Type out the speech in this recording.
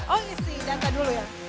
oh isi data dulu ya